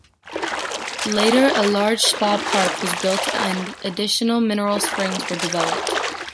Later a large spa park was built and additional mineral springs were developed.